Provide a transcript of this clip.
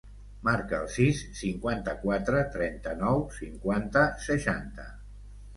Marca el sis, cinquanta-quatre, trenta-nou, cinquanta, seixanta.